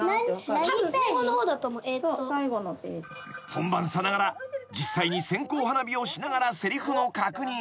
［本番さながら実際に線香花火をしながらせりふの確認］